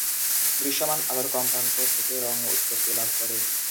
দৃশ্যমান আলোর কম্পাঙ্ক থেকে রং উৎপত্তি লাভ করে।